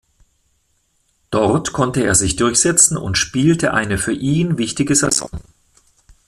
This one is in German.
Dort konnte er sich durchsetzen und spielte eine für ihn wichtige Saison.